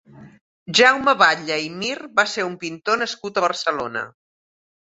Jaume Batlle i Mir va ser un pintor nascut a Barcelona.